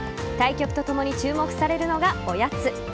対局とともに注目されるのがおやつ。